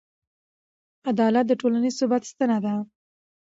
عدالت د ټولنیز ثبات ستنه ده.